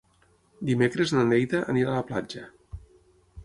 Dimecres na Neida anirà a la platja.